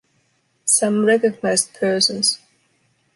some recognized persons.